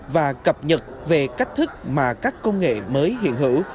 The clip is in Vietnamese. và cập nhật về cách thức mà các công nghệ mới hiện hữu